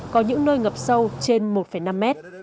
có những nơi ngập sâu trên một năm mét